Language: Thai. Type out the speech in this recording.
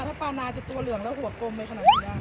ถ้าปลานาจะตัวเหลืองแล้วหัวกลมไปขนาดนี้